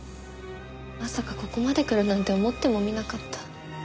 まさかここまで来るなんて思ってもみなかった。